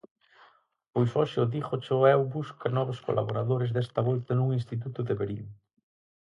Pois hoxe o Dígocho eu busca novos colaboradores desta volta nun instituto de Verín.